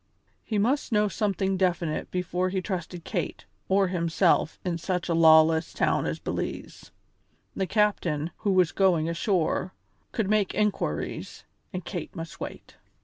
He must know something definite before he trusted Kate or himself in such a lawless town as Belize. The captain, who was going ashore, could make inquiries, and Kate must wait.